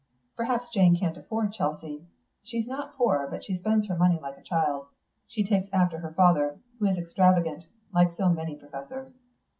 "Perhaps Jane can't afford Chelsea. She's not poor, but she spends her money like a child. She takes after her father, who is extravagant, like so many professors."